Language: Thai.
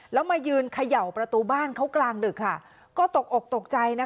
แล้วมายืนเขย่าประตูบ้านเขากลางดึกค่ะก็ตกอกตกใจนะคะ